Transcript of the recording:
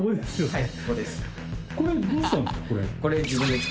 はい。